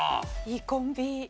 いいコンビ。